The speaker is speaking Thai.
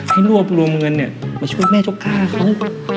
ให้รวบรวมเงินเนี่ยมาช่วยแม่เจ้าก้าเขา